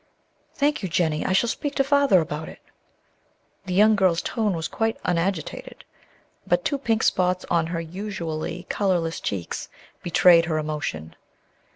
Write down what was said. "Thank you, Jennie; I shall speak to Father about it." The young girl's tone was quite unagitated; but two pink spots on her usually colorless cheeks betrayed her emotion.